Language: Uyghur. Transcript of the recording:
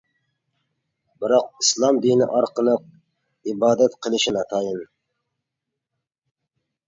بىراق ئىسلام دىنى ئارقىلىق ئىبادەت قىلىشى ناتايىن!